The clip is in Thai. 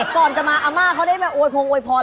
ก่อนจะมาอาม่าเค้าได้น่ะโอยพงโอยพร